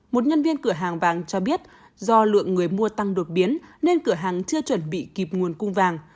một nhân viên cửa hàng vàng cho biết do lượng người mua tăng đột biến nên cửa hàng chưa chuẩn bị kịp nguồn cung vàng